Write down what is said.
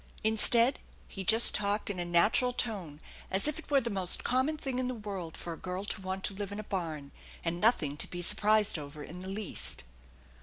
Instead, he just talked in a natural tone, as if it were the most common thing in the world for a girl to want to live in a barn, and nothing to be surprised over in the least.